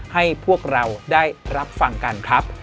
ให้พวกเราได้รับฟังกันครับ